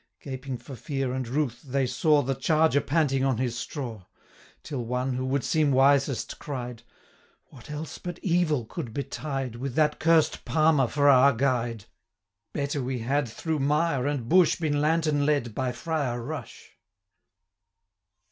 Gaping for fear and ruth, they saw 25 The charger panting on his straw; Till one, who would seem wisest, cried, 'What else but evil could betide, With that cursed Palmer for our guide? Better we had through mire and bush 30 Been lantern led by Friar Rush.'